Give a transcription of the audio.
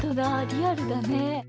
リアルだね。